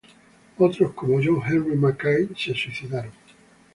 Otros, como John Henry Mackay, se suicidaron.